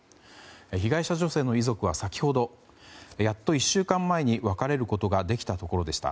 被害者女性の遺族は先ほどやっと１週間前に別れることができたところでした。